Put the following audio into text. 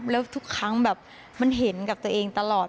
แล้วทุกครั้งแบบมันเห็นกับตัวเองตลอด